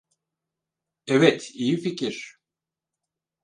Evet, iyi fikir.